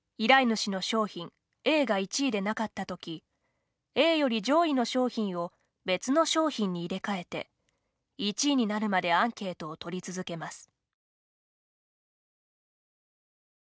主の商品Ａが１位でなかったときＡより上位の商品を別の商品に入れ替えて１位になるまでアンケートを取り続けます。